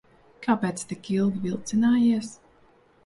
Kāpēc tik ilgi vilcinājies?